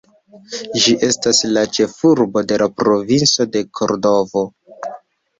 Ĝi estas la ĉefurbo de la provinco de Kordovo.